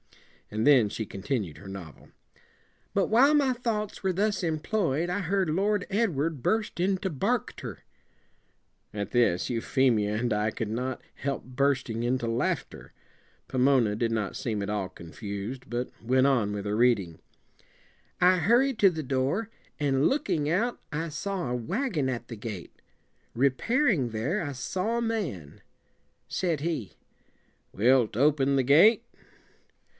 And then she continued her novel. "'But while my thoughts were thus employ ed, I heard Lord Edward burst into bark ter '" At this Euphemia and I could not help bursting into laughter. Pomona did not seem at all confused, but went on with her reading. "'I hurried to the door, and, look ing out, I saw a wagon at the gate. Re pair ing there, I saw a man. Said he "Wilt open the gate?"